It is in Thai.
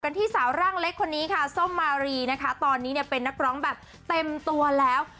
ที่สาวร่างเล็กคนนี้ค่ะส้มมารีนะคะตอนนี้เนี่ยเป็นนักร้องแบบเต็มตัวแล้ว